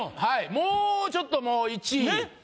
もうちょっともう１位。